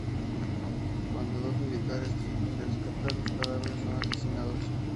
Cuando dos militares tratan de rescatar los cadáveres, son asesinados.